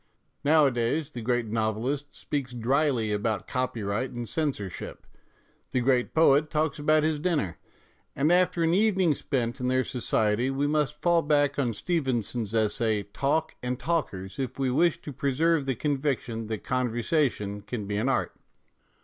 Nowadays the great novelist speaks dryly about copyright and censor ship, the great poet talks about his dinner, and after an evening spent in their society we must fall back on Stevenson's essay " Talk and Talkers " if we wish to preserve the conviction that conversation can be an art.